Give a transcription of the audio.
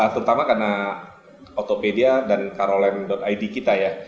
terutama karena autopedia dan karolen id kita ya